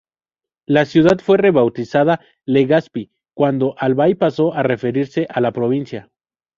La ciudad fue rebautizada Legazpi, cuando Albay pasó a referirse a la provincia.